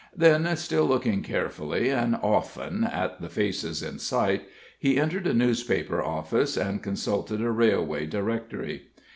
Then, still looking carefully and often at the faces in sight, he entered a newspaper office and consulted a railway directory.